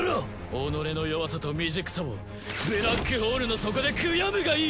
己の弱さと未熟さをブラックホールの底で悔やむがいい！